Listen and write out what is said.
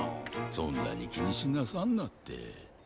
そんなにきにしなさんなって。